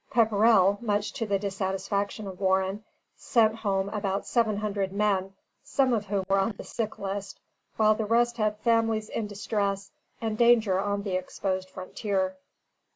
1745._] Pepperrell, much to the dissatisfaction of Warren, sent home about seven hundred men, some of whom were on the sick list, while the rest had families in distress and danger on the exposed frontier.